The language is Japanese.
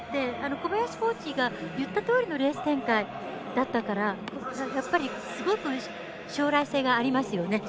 小林コーチが言ったとおりのレース展開だったからやっぱり、すごく将来性がありますね。